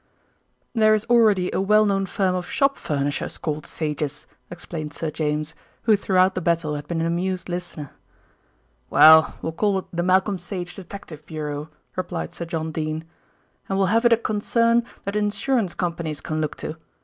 "There is already a well known firm of shop furnishers called 'Sage's,'" explained Sir James, who throughout the battle had been an amused listener. "Well, we'll call it the Malcolm Sage Detective Bureau," replied Sir John Dene, "and we'll have it a concern that insurance companies can look to."